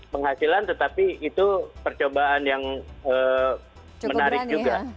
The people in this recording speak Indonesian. penghasilan tetapi itu percobaan yang menarik juga